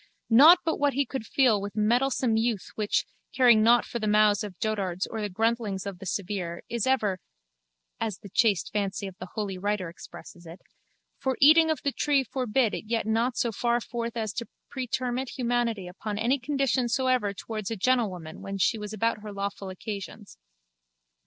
Not but what he could feel with mettlesome youth which, caring nought for the mows of dotards or the gruntlings of the severe, is ever (as the chaste fancy of the Holy Writer expresses it) for eating of the tree forbid it yet not so far forth as to pretermit humanity upon any condition soever towards a gentlewoman when she was about her lawful occasions.